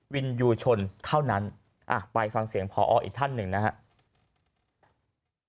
วิญญาณเยอุชนเข้านั้นอ่ะไปฟังเสียงพออ้อออีกท่านหนึ่งนะฮะ